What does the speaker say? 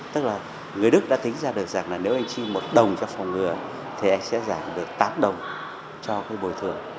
tức là người đức đã tính ra được rằng là nếu anh chi một đồng cho phòng ngừa thì anh sẽ giảm được tám đồng cho cái bồi thường